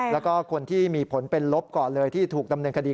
แล้วก็คนที่มีผลเป็นลบก่อนเลยที่ถูกดำเนินคดี